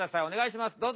おねがいします。